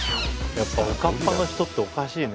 やっぱおかっぱの人っておかしいね。